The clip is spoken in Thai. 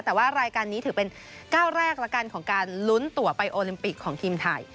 แต่ว่ารายการนี้ถือเป็นก้าวแรกแล้วกันของการลุ้นตัวไปโอลิมปิกของทีมไทย